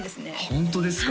ホントですか？